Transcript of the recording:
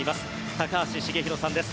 高橋繁浩さんです。